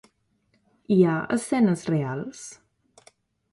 Hi ha escenes reals?